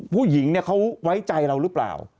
ผู้หญิงเนี่ยเขาไว้ใจเราหรือเปล่า